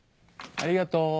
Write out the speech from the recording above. ありがとう。